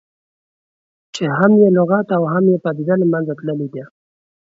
چې هم یې لغت او هم یې پدیده له منځه تللې ده.